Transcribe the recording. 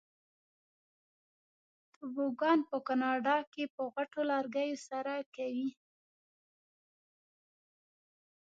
توبوګان په کاناډا کې په غټو لرګیو سره کوي.